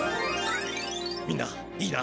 みんないいな！